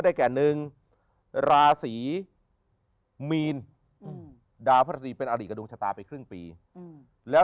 แก่หนึ่งราศีมีนดาวพระศรีเป็นอดีตกับดวงชะตาไปครึ่งปีแล้ว